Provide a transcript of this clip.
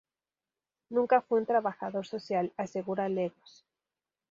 Nunca fui un trabajador social"", asegura Legros.